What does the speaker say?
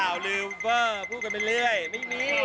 อ้าวลืมเฟอร์พูดกันเป็นเรื่อยไม่มี